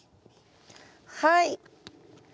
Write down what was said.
はい。